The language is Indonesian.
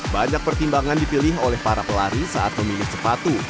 banyak pertimbangan dipilih oleh para pelari saat memilih sepatu